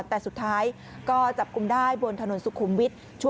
แต่สุดท้ายก็จับกลุ่มได้บนถนนสุขุมวิทย์